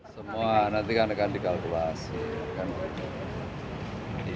semua nanti akan dikalkulasi